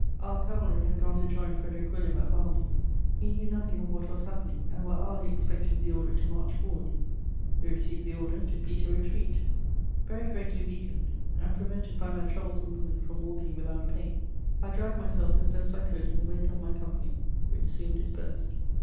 Our cavalry had gone to join Frederic William at Valmy. We knew nothing of what was happening, and were hourly expecting the order to march forward: we received the order to beat a retreat. [Sidenote: I am weakened by my wound.] Very greatly weakened, and prevented by my troublesome wound from walking without pain, I dragged myself as best I could in the wake of my company, which soon dispersed.